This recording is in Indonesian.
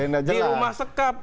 di rumah sekap